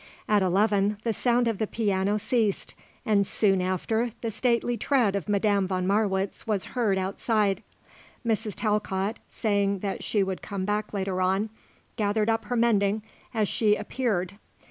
At eleven the sound of the piano ceased and soon after the stately tread of Madame von Marwitz was heard outside. Mrs. Talcott, saying that she would come back later on, gathered up her mending as she appeared.